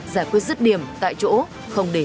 giải quyết rứt điểm tại chỗ không để